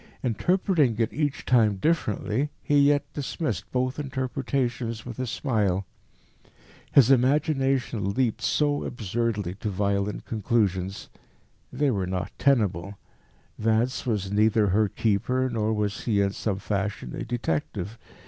Interpreting it each time differently, he yet dismissed both interpretations with a smile. His imagination leaped so absurdly to violent conclusions. They were not tenable: Vance was neither her keeper, nor was he in some fashion a detective.